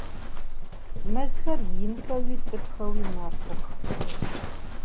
Mezxer yinxeui ts'ık'uxeui mexhux.